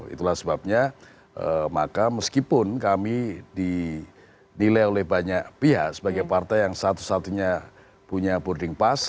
itulah sebabnya maka meskipun kami dinilai oleh banyak pihak sebagai partai yang satu satunya punya boarding pass